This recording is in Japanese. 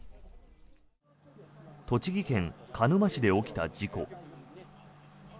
栃木県鹿沼市で起きた事故。